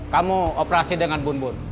kamu operasi dengan bun bun